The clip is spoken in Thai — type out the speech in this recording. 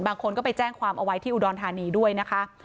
บางคนก็ไปแจ้งความเอาไว้ที่อุดรธานีด้วยนะคะ